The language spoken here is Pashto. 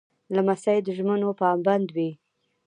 لمسی د ژمنو پابند وي.